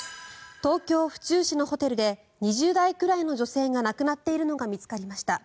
東京・府中市のホテルで２０代くらいの女性が亡くなっているのが見つかりました。